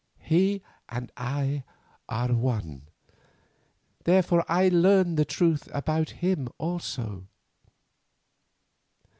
He and I are one, therefore I learned the truth about him also.